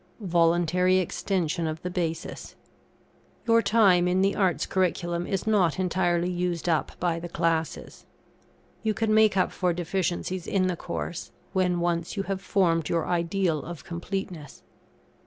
VOLUNTARY EXTENSION OF THE BASIS. Your time in the Arts' curriculum is not entirely used up by the classes. You can make up for deficiences in the course, when once you have formed your ideal of completeness.